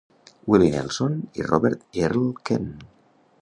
Willie Nelson i Robert Earl Keen.